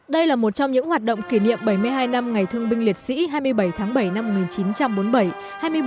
đây là một trong những hoạt động kỷ niệm bảy mươi hai năm ngày thương binh liệt sĩ hai mươi bảy tháng bảy năm một nghìn chín trăm bốn mươi bảy